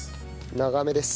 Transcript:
長めです。